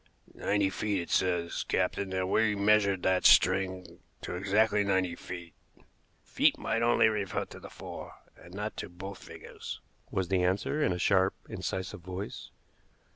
"Ninety feet, it says, captain; and we measured that string to exactly ninety feet." "Feet might only refer to the four, and not to both figures," was the answer in a sharp, incisive voice.